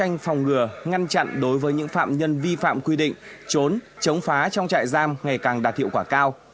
đấu tranh phòng ngừa ngăn chặn đối với những phạm nhân vi phạm quy định trốn chống phá trong trại giam ngày càng đạt hiệu quả cao